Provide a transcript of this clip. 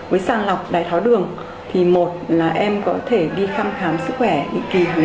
với sàng lọc đài tháo đường thì một là em có thể đi khám khám sức khỏe định kỳ tháng năm